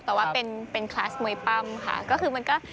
แต่ว่าเป็นคลาสมวยปั้มค่ะ